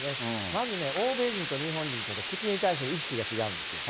まずね、欧米人と日本人とは口に対する意識が違うんですよ。